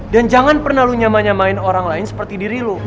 dan jangan pernah lu nyamanya main orang lain seperti diri lu